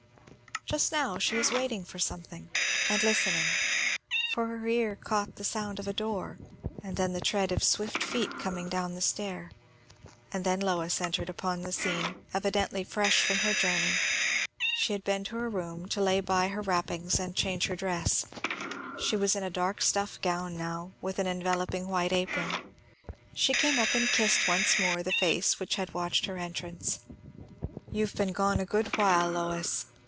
Just now she was waiting for something, and listening; for her ear caught the sound of a door, and then the tread of swift feet coming down the stair, and then Lois entered upon the scene; evidently fresh from her journey. She had been to her room to lay by her wrappings and change her dress; she was in a dark stuff gown now, with an enveloping white apron. She came up and kissed once more the face which had watched her entrance. "You've been gone a good while, Lois!"